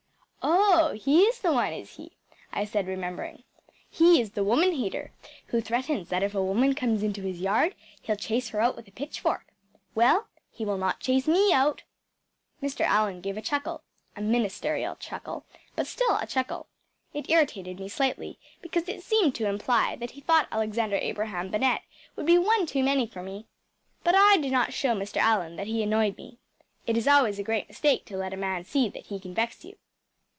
‚ÄĚ “Oh, he is the one, is he?‚ÄĚ I said, remembering. “He is the woman hater who threatens that if a woman comes into his yard he’ll chase her out with a pitch fork. Well, he will not chase ME out!‚ÄĚ Mr. Allan gave a chuckle a ministerial chuckle, but still a chuckle. It irritated me slightly, because it seemed to imply that he thought Alexander Abraham Bennett would be one too many for me. But I did not show Mr. Allan that he annoyed me. It is always a great mistake to let a man see that he can vex you.